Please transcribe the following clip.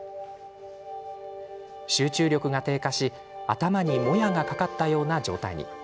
集中力が低下し頭にもやがかかったような状態に。